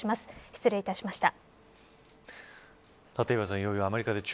失礼いたしました。